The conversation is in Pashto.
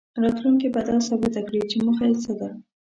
راتلونکې به دا ثابته کړي چې موخه یې څه ده.